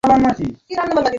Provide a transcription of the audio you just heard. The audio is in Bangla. আরে ইয়ার্কি মারছি।